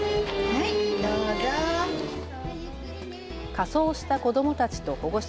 仮装をした子どもたちと保護者